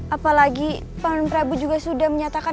apalagi pangan prabu juga sudah menyatakan